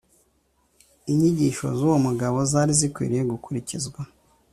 inyigisho z'uwo mugabo zari zikwiriye gukurikizwa